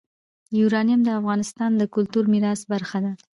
یورانیم د افغانستان د کلتوري میراث برخه ده.